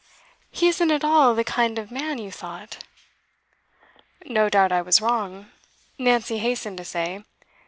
'He isn't at all the kind of man you thought.' 'No doubt I was wrong,' Nancy hastened to say.